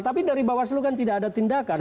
tapi dari bawaslu kan tidak ada tindakan